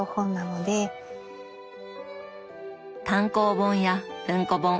単行本や文庫本。